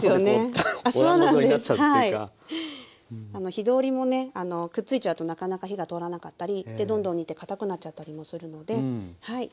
火通りもねくっついちゃうとなかなか火が通らなかったりどんどん煮てかたくなっちゃったりもするのでこのようにして下さい。